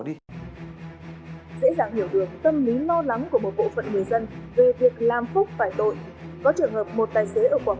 lý lo lắng của một bộ phận người dân về việc làm phúc phải tội có trường hợp một tài xế ở quảng